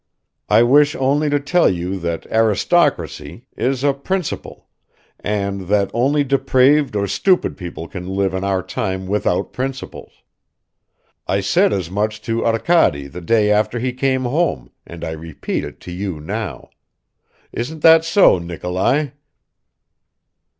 I wish only to tell you that aristocracy is a principle, and that only depraved or stupid people can live in our time without principles. I said as much to Arkady the day after he came home, and I repeat it to you now. Isn't that so, Nikolai?"